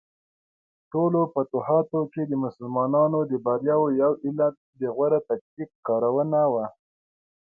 ټولو فتوحاتو کې د مسلمانانو د بریاوو یو علت د غوره تکتیک کارونه وه.